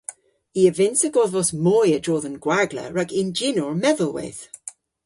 I a vynnsa godhvos moy a-dro dhe'n gwagla rag ynjynor medhelweyth.